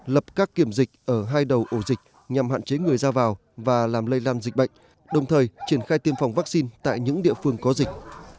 lập các kiểm dịch ở hai đầu ổ dịch nhằm hạn chế người ra vào và làm lây lan dịch bệnh đồng thời triển khai tiêm phòng vaccine tại những địa phương có dịch